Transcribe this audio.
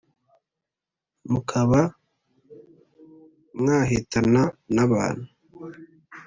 mukaba mwahitana n’abantu